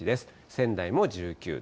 仙台も１９度。